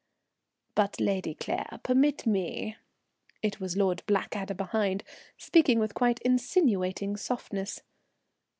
"But, Lady Claire, permit me," it was Lord Blackadder behind, speaking with quite insinuating softness.